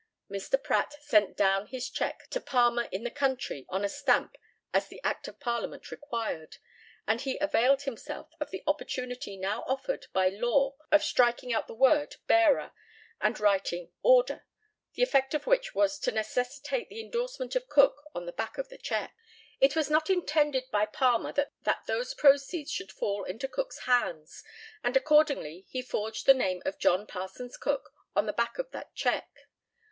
Mr. Pratt sent down his cheque to Palmer in the country on a stamp as the Act of Parliament required, and he availed himself of the opportunity now offered by law of striking out the word "bearer" and writing "order," the effect of which was to necessitate the endorsement of Cook on the back of the cheque. It was not intended by Palmer that those proceeds should fall into Cook's hands, and accordingly he forged the name of John Parsons Cook on the back of that cheque.